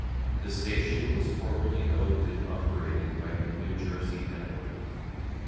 The station was formerly owned and operated by the New Jersey Network.